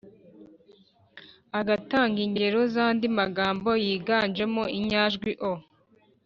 agatanga ingero z’andi magambo yiganjemo inyajwi o,